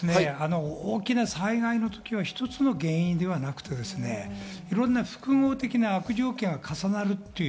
大きな災害の時は一つの原因ではなくて、いろんな複合的な悪条件が重なるっていう。